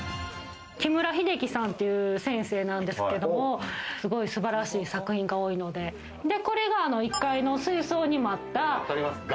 木村英輝さんという先生なんですけども、すごい素晴らしい作品が多いので、これが１階の水槽にもあった。